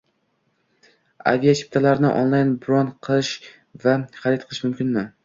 Aviachiptalarini onlayn bron qilish va xarid qilish mumkinmi?